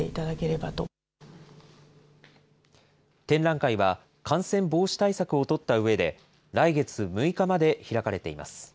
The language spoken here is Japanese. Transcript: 展覧会は感染防止対策を取ったうえで、来月６日まで開かれています。